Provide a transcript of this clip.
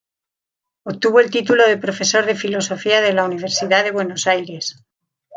Obtuvo el título de Profesor de Filosofía de la Universidad de Buenos Aires.